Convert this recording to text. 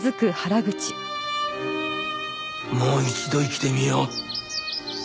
もう一度生きてみよう。